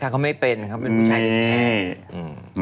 เขาไม่เป็นเขาเป็นผู้ชายแน่